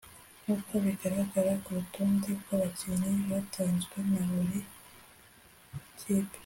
nkuko bigaragara ku rutonde rw’abakinnyi batanzwe na buri kipe